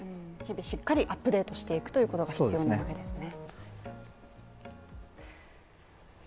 しっかりアップデートしていくということが必要ですね。